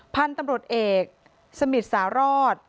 พันธุ์ตำรวจเอกสมิทสารอด